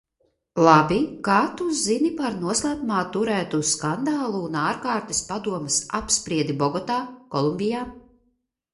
Labi, kā tu zini par noslēpumā turētu skandālu un ārkārtas padomes apspriedi Bogotā, Kolumbijā?